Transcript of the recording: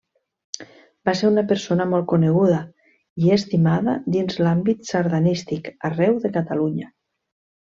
Va ser una persona molt coneguda i estimada dins l'àmbit sardanístic arreu de Catalunya.